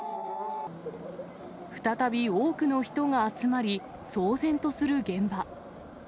再び多くの人が集まり、騒然とする現場。